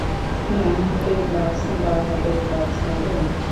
ডান হাতের গ্লাভস বাঁ হাতের গ্লাভস হবে।